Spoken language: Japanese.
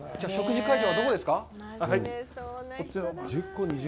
食事会場はどこですか。